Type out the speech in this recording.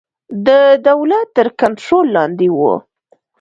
د دولت تر کنټرول لاندې وو.